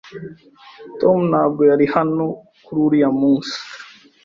Tom ntabwo yari hano kuri uriya munsi.